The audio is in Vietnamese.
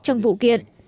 trong vụ kiện